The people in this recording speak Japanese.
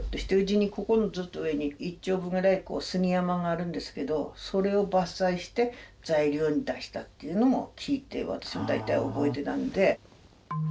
ここのずっと上に１丁分くらい杉山があるんですけどそれを伐採して材料に出したっていうのも聞いて私も大体覚えてたので。